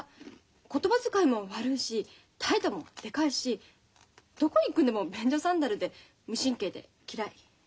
言葉遣いも悪いし態度もでかいしどこへ行くんでも便所サンダルで無神経で嫌い。